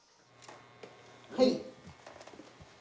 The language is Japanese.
はい。